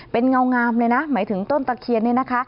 เป็นเงางามเลยนะหมายถึงต้นตะเคียนเนี่ยนะคะ